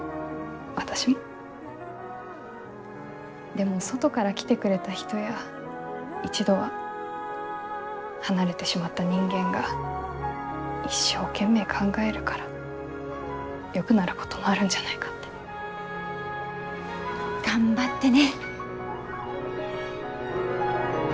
でも外から来てくれた人や一度は離れてしまった人間が一生懸命考えるからよくなることもあるんじゃないかって。頑張ってね。